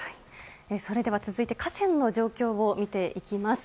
それでは続いて河川の状況を見ていきます。